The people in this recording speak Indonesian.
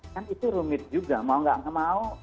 kan itu rumit juga mau nggak mau